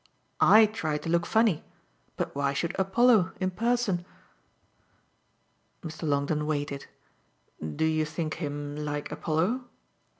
"I try to look funny but why should Apollo in person?" Mr. Longdon weighed it. "Do you think him like Apollo?"